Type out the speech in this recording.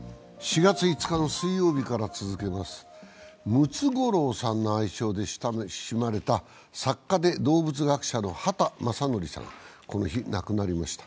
ムツゴロウさんの愛称で親しまれた作家で動物学者の畑正憲さん、この日、亡くなりました。